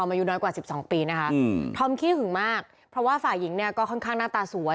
ธอมมัยูน้อยกว่า๑๒ปีธอกี้ขึ้นมากเพราะว่าฝ่ายหญิงเนี่ยก็ค่อนข้างหน้าตาสวย